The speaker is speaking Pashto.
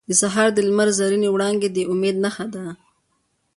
• د سهار د لمر زرینې وړانګې د امید نښه ده.